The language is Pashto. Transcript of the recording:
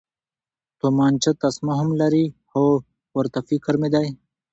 تومانچه تسمه هم لري، هو، ورته فکر مې دی.